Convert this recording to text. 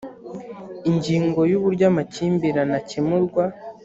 ingingo ya uburyo amakimbirane akemurwa